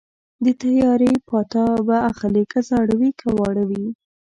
د تیارې پاتا به اخلي که زاړه وي که واړه وي